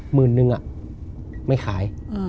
หมื่นนึงไม่ขาย